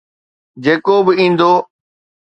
جيڪو به ايندو.